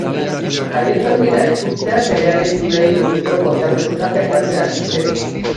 Jaioterrira itzultzean, bere abenturei buruzko kontakizunak aipatzen hasi zen.